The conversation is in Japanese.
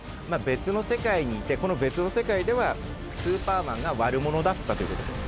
別の世界にいてこの別の世界ではスーパーマンが悪者だったということです。